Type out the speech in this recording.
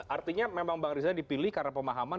artinya memang bang riza dipilih karena pemahaman